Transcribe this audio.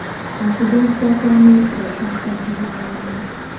Okujaguza kw'amefuga kwasazibwamu.